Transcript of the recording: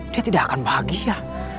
dia tidak akan bahagia